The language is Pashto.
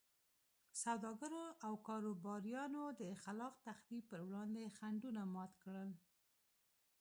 سوداګرو او کاروباریانو د خلاق تخریب پر وړاندې خنډونه مات کړل.